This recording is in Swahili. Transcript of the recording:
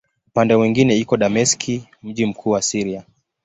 Upande mwingine iko Dameski, mji mkuu wa Syria.